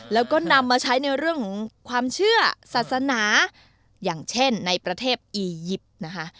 แล้วก็นำมาใช้ในเรื่องของความเชื่อศาสนาอย่างเช่นในประเทศอียิปต์นะคะ